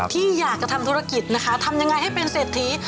ที่อยากจะทำธุรกิจนะคะทำยังไงให้เป็นเศรษฐี